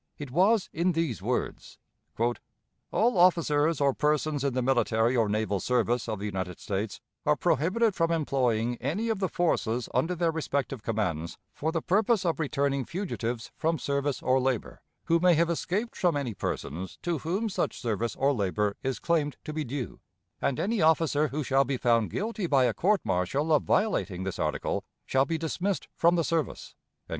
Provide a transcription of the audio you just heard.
It was in these words: "All officers or persons in the military or naval service of the United States are prohibited from employing any of the forces under their respective commands for the purpose of returning fugitives from service or labor, who may have escaped from any persons to whom such service or labor is claimed to be due; and any officer who shall be found guilty by a court martial of violating this article shall be dismissed from the service."